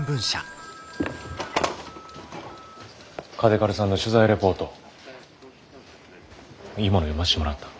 嘉手刈さんの取材レポートいいもの読ましてもらった。